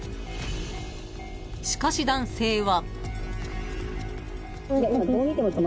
［しかし男性は］